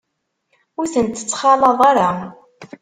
Ur tent-ttxalaḍ ara.